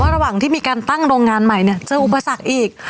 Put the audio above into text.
ระหว่างที่มีการตั้งโรงงานใหม่เนี่ยเจออุปสรรคอีก